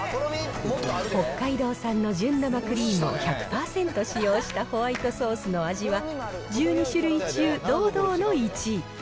北海道産の純生クリームを１００％使用したホワイトソースの味は、１２種類中、堂々の１位。